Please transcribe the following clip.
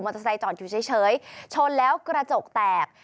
เตอร์ไซค์จอดอยู่เฉยชนแล้วกระจกแตก